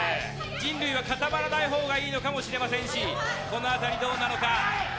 人類は固まらないほうがいいのかもしれませんしこの辺り、どうなのか。